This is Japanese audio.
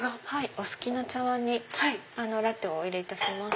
お好きな茶わんにラテをお入れいたします。